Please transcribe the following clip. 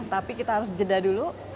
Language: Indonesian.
tapi kita harus jeda dulu